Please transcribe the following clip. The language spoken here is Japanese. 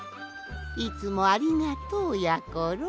いつもありがとうやころ。